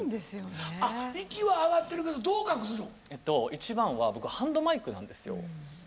一番は僕ハンドマイクなんですよ。